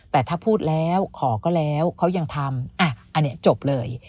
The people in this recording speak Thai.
แต่ถ้าพูดแล้วขอก็แล้วเขายังทำอันนี้จบเลย